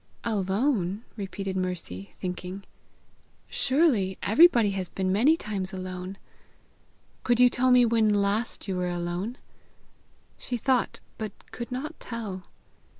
"Alone!" repeated Mercy, thinking. " Surely everybody has been many times alone!" "Could you tell when last you were alone?" She thought, but could not tell.